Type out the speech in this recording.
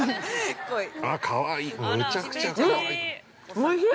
◆おいしい！